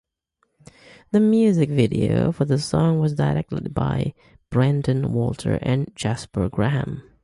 The music video for the song was directed by Brendan Walter and Jasper Graham.